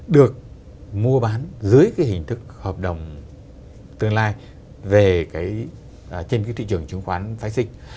được mua bán dưới cái hình thức hợp đồng tương lai về trên cái thị trường chứng khoán phái sinh